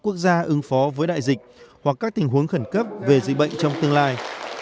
quốc gia ứng phó với đại dịch hoặc các tình huống khẩn cấp về dịch bệnh trong tương lai